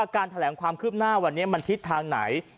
การแถลงความขึ้บหน้าวันนี้ทิ้งทางไหน